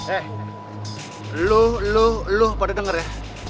eh lu lu lu pada denger ya